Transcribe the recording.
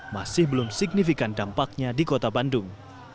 masih belum signifikan dampaknya di kota bandung